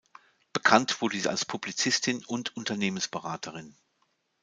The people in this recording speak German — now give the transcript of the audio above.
Bekannt wurde sie als Publizistin und Unternehmensberaterin.